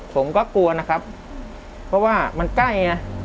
ผมก็กลัวนะครับเพราะว่ามันใกล้ไง